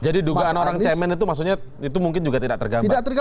jadi dugaan orang ceben itu maksudnya itu mungkin juga tidak tergambar